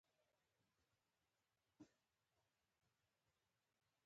عسل د ژوند ملګری کئ.